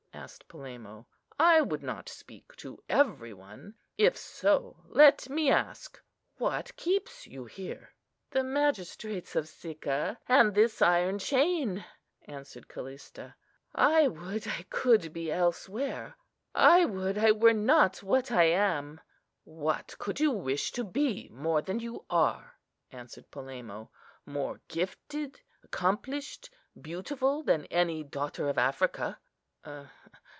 asked Polemo. "I would not speak to every one. If so, let me ask, what keeps you here?" "The magistrates of Sicca and this iron chain," answered Callista. "I would I could be elsewhere; I would I were not what I am." "What could you wish to be more than you are?" answered Polemo; "more gifted, accomplished, beautiful than any daughter of Africa."